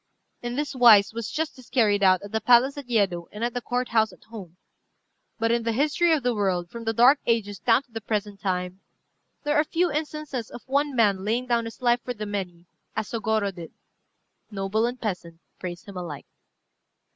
In this wise was justice carried out at the palace at Yedo and at the Court house at home. But in the history of the world, from the dark ages down to the present time, there are few instances of one man laying down his life for the many, as Sôgorô did: noble and peasant praise him alike.